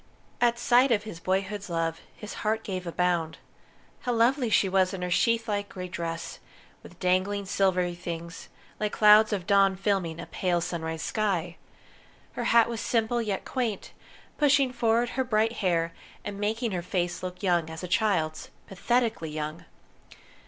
At sight of his boyhood's love, his heart gave a bound. How lovely she was in her sheathlike grey dress, with dangling silvery things, like clouds of dawn filming a pale sunrise sky! Her hat was simple yet quaint, pushing forward her bright hair, and making her face look young as a child's pathetically young.